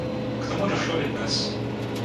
K tomu došlo i dnes.